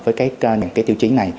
với những tiêu chí này